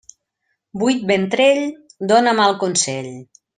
Buit ventrell dóna mal consell.